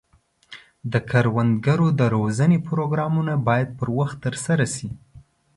د کروندګرو د روزنې پروګرامونه باید پر وخت ترسره شي.